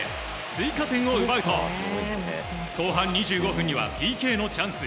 追加点を奪うと後半２５分にはＰＫのチャンス。